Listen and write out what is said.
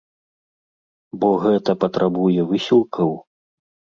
Бо гэта патрабуе высілкаў?